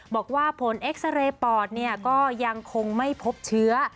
บอกว่าผลเอ็กซาเรย์ปอดก็ยังคงไม่พบเชื้อ